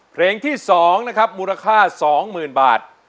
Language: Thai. เพลงที่สองนะครับมูลค่าสองหมื่นบาท